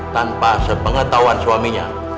tanpa sepengetahuan suaminya